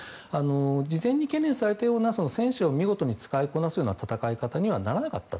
事前に懸念されたような戦車を見事使いこなすような戦い方にならなかった。